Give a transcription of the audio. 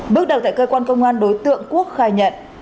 bước đầu tại cơ quan công an đối tượng quốc khai nhận